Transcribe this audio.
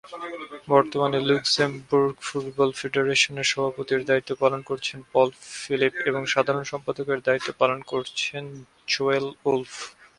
বর্তমানে Luxembourg football ফেডারেশনের সভাপতির দায়িত্ব পালন করছেন পল ফিলিপ এবং সাধারণ সম্পাদকের দায়িত্ব পালন করছেন জোয়েল উলফ।